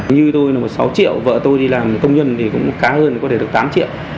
như tôi là một sáu triệu vợ tôi đi làm công nhân thì cũng cá hơn có thể được tám triệu